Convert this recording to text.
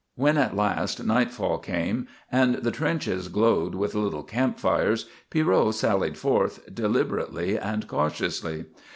When at last nightfall came and the trenches glowed with little campfires, Pierrot sallied forth, deliberately and cautiously.